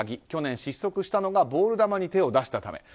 去年失速したのがボール球に手を出したため。